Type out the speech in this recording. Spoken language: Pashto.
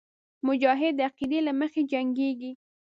مجاهد د عقیدې له مخې جنګېږي.